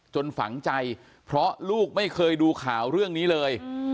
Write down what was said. ฝังใจเพราะลูกไม่เคยดูข่าวเรื่องนี้เลย